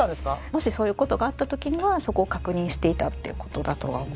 もしそういう事があった時にはそこを確認していたっていう事だとは思います。